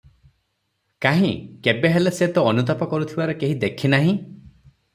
କାହିଁ, କେବେହେଲେ ସେ ତ ଅନୁତାପ କରୁଥିବାର କେହି ଦେଖିନାହିଁ?